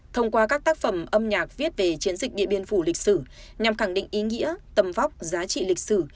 thông qua các tác phẩm âm nhạc viết về chiến dịch điện biên phủ lịch sử nhằm khẳng định ý nghĩa tầm vóc giá trị lịch sử